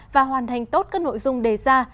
và hoàn thành tốt các nội dung đề ra